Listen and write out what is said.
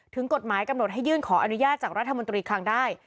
กฎหมายกำหนดให้ยื่นขออนุญาตจากรัฐมนตรีคลังได้